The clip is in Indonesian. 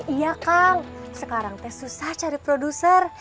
iya kang sekarang teh susah cari produser